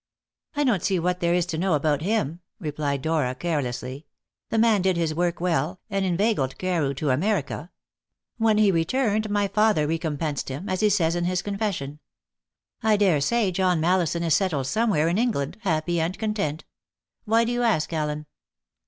"I don't see what there is to know about him," replied Dora carelessly; "the man did his work well, and inveigled Carew to America. When he returned my father recompensed him, as he says in his confession. I dare say John Mallison is settled somewhere in England, happy and content. Why do you ask, Allen?"